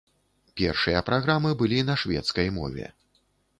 Першыя праграмы былі на шведскай мове.